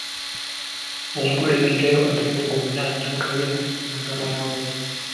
Omugole yajjayo amenvu gonna n'agaalya n'agamalawo.